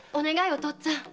お父っつぁん。